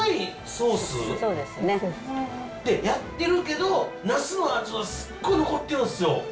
でやってるけどなすの味はすっごい残ってるんですよ。